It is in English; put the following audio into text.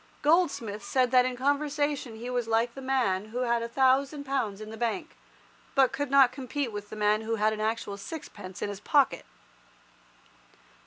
Goldsmith said that in conversation he was like the man who had a thousand pounds in the bank, but could not compete with the man who had an actual sixpence in his pocket.